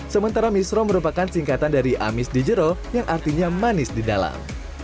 sementara misro merupakan singkatan dari amis di jero yang artinya manis di dalam